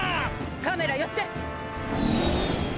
カメラ寄って！